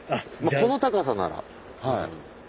この高さならはい。